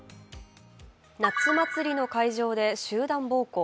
夏祭りの会場で集団暴行。